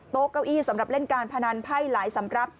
เก้าอี้สำหรับเล่นการพนันไพ่หลายสำหรับ